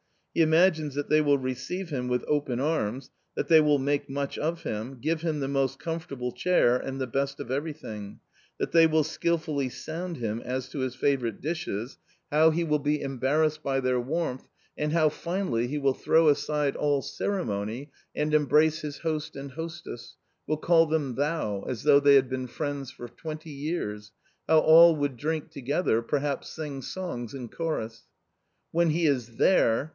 He imagines that they will receive him with open arms, that they will make much of him, give him the most comfortable chair, and the best of everything ; that they will skilfully sound him as to his favourite dishes ; how he will be em A COMMON STORY 39 barrassed by their warmth, and how finally he will throw aside all ceremony and embrace his host and hostess, will call them " thou," as though they had been friends for twenty years ; how all would drink together, perhaps sing songs in chorus When he is there